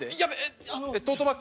トートバッグ？